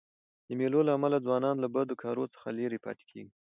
د مېلو له امله ځوانان له بدو کارو څخه ليري پاته کېږي.